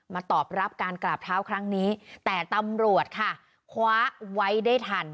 ตอบรับการกราบเท้าครั้งนี้แต่ตำรวจค่ะคว้าไว้ได้ทัน